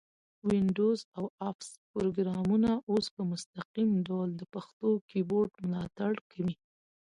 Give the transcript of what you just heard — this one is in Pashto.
وینډوز او افس پروګرامونه اوس په مستقیم ډول د پښتو کیبورډ ملاتړ کوي.